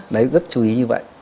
đấy rất chú ý như vậy